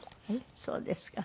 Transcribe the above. そうですか。